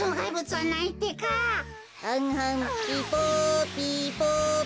はんはんピポピポピ。